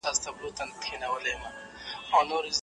هغه په ډېر اخلاص سره د مسلمانانو خدمت وکړ.